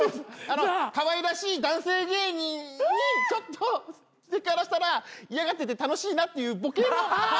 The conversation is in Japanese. かわいらしい男性芸人にちょっとセクハラしたら嫌がってて楽しいなっていうボケの範ちゅう。